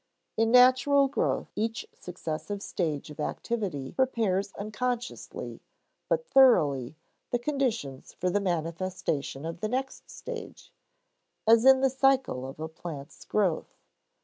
In natural growth each successive stage of activity prepares unconsciously, but thoroughly, the conditions for the manifestation of the next stage as in the cycle of a plant's growth.